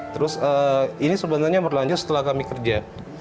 terus ini sebenarnya berlanjut setelah kami kerja